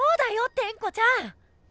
テンコちゃん！